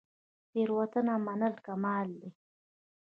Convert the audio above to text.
تیروتنه منل کمال دی